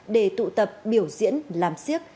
để tụ tập biểu diễn làm siếc